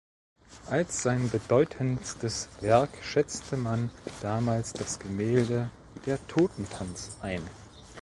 Als sein bedeutendstes Werk schätze man damals das Gemälde "Der Totentanz" ein.